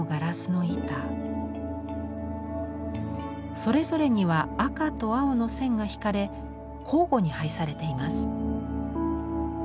それぞれには赤と青の線が引かれ交互に配されています。